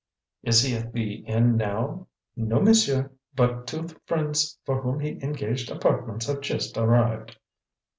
"Is he at the inn now?" "No, monsieur, but two friends for whom he engaged apartments have just arrived."